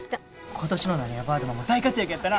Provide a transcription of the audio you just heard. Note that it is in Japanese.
今年のなにわバードマンも大活躍やったな。